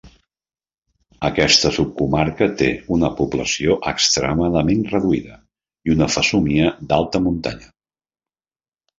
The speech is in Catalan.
Aquesta subcomarca té una població extremadament reduïda i una fesomia d'alta muntanya.